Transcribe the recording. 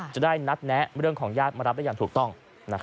จะได้นัดแนะเรื่องของญาติมารับได้อย่างถูกต้อง